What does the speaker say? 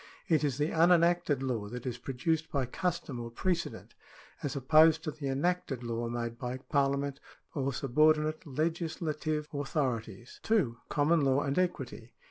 It is the unenacted law that is produced by custom or precedent, as opposed to the enacted law made by Parliament or sub ordinate legislative authorities. 2. Common laiv and equity.